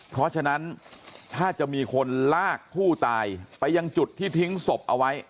เพราะฉะนั้นถ้าจะมีคนลากผู้ตายไปยังจุดที่ทิ้งศพเอาไว้